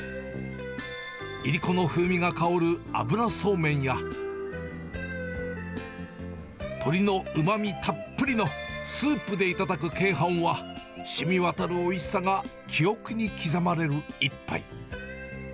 いりこの風味が香る油そうめんや、鶏のうまみたっぷりのスープで頂く鶏飯は、しみわたるおいしさが記憶に刻まれる一杯。